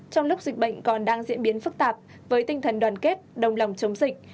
trong lúc dịch bệnh còn đang diễn biến phức tạp với tinh thần đoàn kết đồng lòng chống dịch